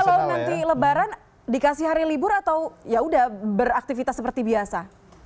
tapi kalau nanti lebaran dikasih hari libur atau ya sudah beraktifitas seperti biasa